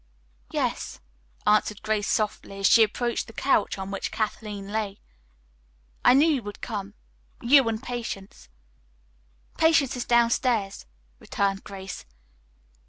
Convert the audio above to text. "Yes," answered Grace softly, as she approached the couch on which Kathleen lay. "I knew you would come you and Patience." "Patience is downstairs," returned Grace.